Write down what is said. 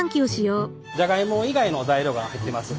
じゃがいも以外の材料が入ってます。